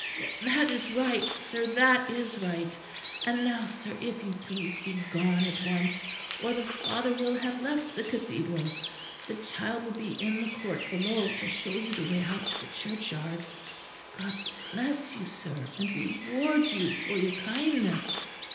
"Th that is right, sir; that is right; and now, sir, if you please, be gone at once; or the Father will have left the Cathedral. The child will be in the court below to show you the way out to the churchyard. God bless you, sir; and reward you for your kindness!"